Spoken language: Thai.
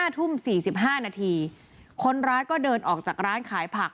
๕ทุ่ม๔๕นาทีคนร้ายก็เดินออกจากร้านขายผัก